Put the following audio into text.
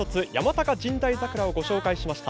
高神代桜をご紹介しました。